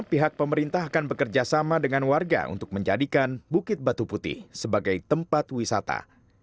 pihak pemerintah akan bekerja sama dengan warga untuk menjadikan bukit batu putih sebagai tempat wisata